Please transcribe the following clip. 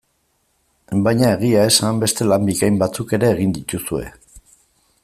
Baina egia esan, beste lan bikain batzuk ere egin dituzue.